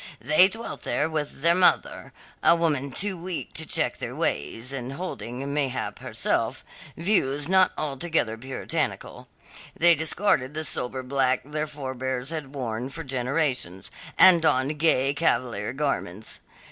They dwelt there with their mother a woman too weak to check their ways, and holding, mayhap, herself, views not altogether puritanical. They discarded the sober black their forbears had worn for generations, and donned gay Cavalier garments.